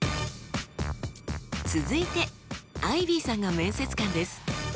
続いてアイビーさんが面接官です。